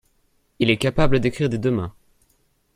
Il est capable d’écrire des deux mains.